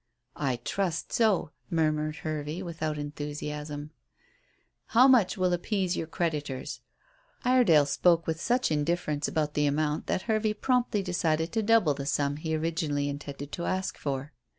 "I trust so," murmured Hervey, without enthusiasm. "How much will appease your creditors?" Iredale spoke with such indifference about the amount that Hervey promptly decided to double the sum he originally intended to ask for.